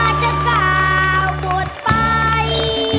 มาจากกาวบดไป